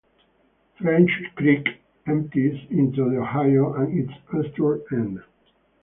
French Creek empties into the Ohio on its eastern end.